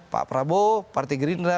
pak prabowo partai gerindra